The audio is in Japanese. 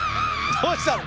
どうしたの？